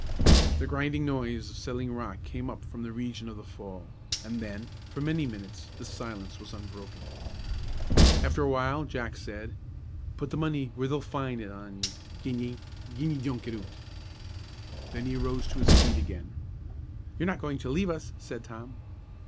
The grinding noise of settling rock came up from the region of the fall, and then, for many minutes, the silence was unbroken. After a while, Jack said, "Put the money where they'll find it on ye, gin ye gin ye don't get oot." Then he rose to his feet again. "You're not goin' to leave us?" said Tom.